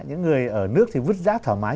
những người ở nước thì vứt giáp thoải mái